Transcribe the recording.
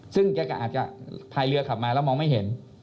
ซึ่งแกก็อาจจะพายเรือขับมาแล้วมองไม่เห็น